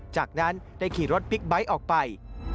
จากนั้นได้ขี่รถบิ๊กไบท์ออกไป